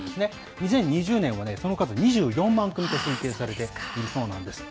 ２０２０年は、その数、２４万組と推定されているそうなんです。